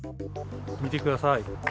見てください。